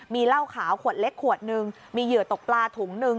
มีเหล้าขาวขวดเล็กขวดนึงมีเหยื่อตกปลาถุงนึง